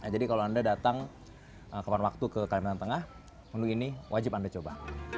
jadi kalau anda datang kemarin waktu ke kalimantan tengah menurut ini wajib anda coba